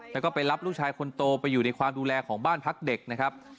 แล้วก็ไปรับลูกชายคนโตไปอยู่ในความดูแลของบ้านพักเด็กนะครับ